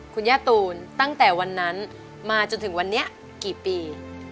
คุณย่าตูนตั้งแต่วันนั้นมาจนถึงวันนี้กี่ปี